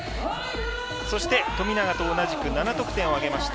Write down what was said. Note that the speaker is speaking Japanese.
そして、富永と同じく７得点を挙げました